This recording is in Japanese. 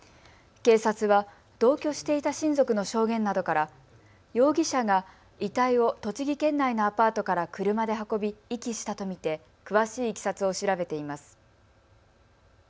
警察は同居していた親族の証言などから容疑者が遺体を栃木県内のアパートから車で運び遺棄したと見て詳しいいきさつを調べています。